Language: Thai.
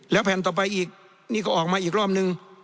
แผ่นต่อไปอีกนี่ก็ออกมาอีกรอบนึง